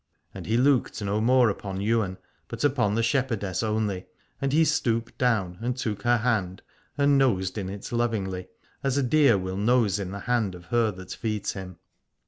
And he looked no more upon Ywain but upon the shepherdess only: and he stooped down and took her hand and nosed in it lovingly as a deer will nose in the hand of her that feeds him.